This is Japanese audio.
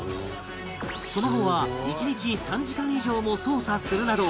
その後は１日３時間以上も操作するなど